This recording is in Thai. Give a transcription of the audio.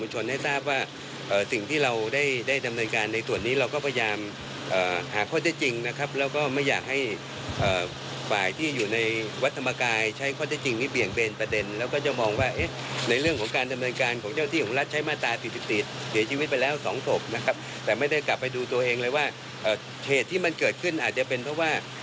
เหตุที่มันเกิดขึ้นอาจจะเป็นเพราะว่า